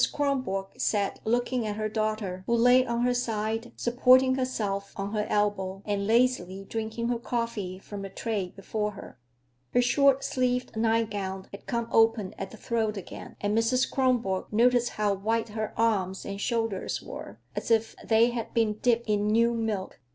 Kronborg sat looking at her daughter, who lay on her side, supporting herself on her elbow and lazily drinking her coffee from the tray before her. Her short sleeved nightgown had come open at the throat again, and Mrs. Kronborg noticed how white her arms and shoulders were, as if they had been dipped in new milk.